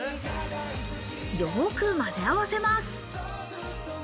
よくまぜ合わせます。